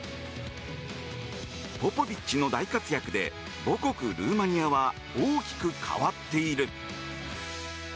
ポポビッチの大活躍で母国、ルーマニアは大きく変わっている。